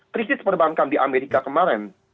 krisis perbankan di amerika kemarin